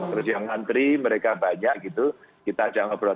terus yang ngantri mereka banyak gitu kita jangan berbual